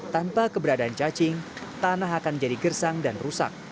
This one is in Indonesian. tanpa keberadaan cacing tanah akan menjadi gersang dan rusak